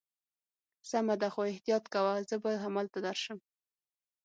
سمه ده، خو احتیاط کوه، زه به همالته درشم.